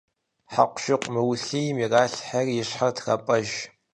Хьэкъущыкъу мыулъийм иралъхьэри и щхьэр трапӏэж.